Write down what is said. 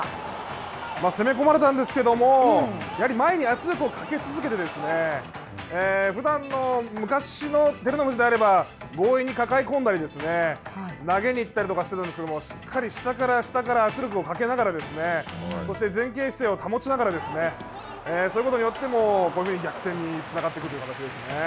攻め込まれたんですけれども、やはり前に圧力をかけ続けてふだんの、昔の照ノ富士であれば強引に抱え込んだり投げに行ったりとかしていたんですけれども、しっかり下から下から圧力をかけながらそして、前傾姿勢を保ちながらそうすることによって逆転につながってくるという形ですね。